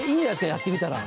やってみたら。